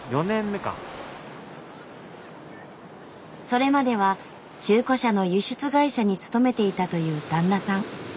それまでは中古車の輸出会社に勤めていたという旦那さん。